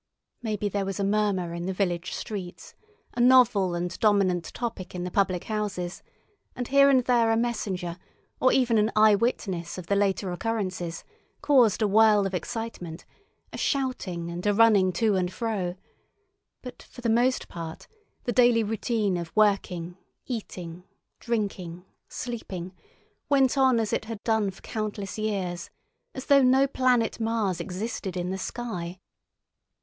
Maybe there was a murmur in the village streets, a novel and dominant topic in the public houses, and here and there a messenger, or even an eye witness of the later occurrences, caused a whirl of excitement, a shouting, and a running to and fro; but for the most part the daily routine of working, eating, drinking, sleeping, went on as it had done for countless years—as though no planet Mars existed in the sky.